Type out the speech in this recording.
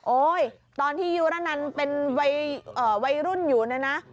โอ๊ยตอนที่ยุรนันท์เป็นวัยรุ่นอยู่นะ